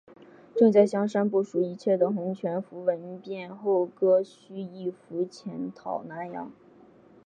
正在香山部署一切的洪全福闻变后割须易服潜逃南洋。